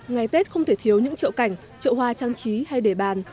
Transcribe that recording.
ngày tết không thể thiếu những trợ cảnh trợ hoa trang trí hay để bàn